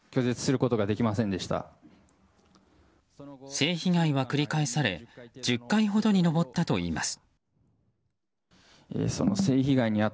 性被害は繰り返され１０回ほどに上ったといいます。